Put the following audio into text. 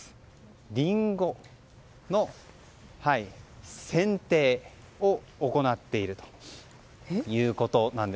リンゴのせん定を行っているということなんです。